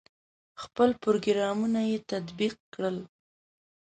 خپل پروګرامونه یې تطبیق کړل.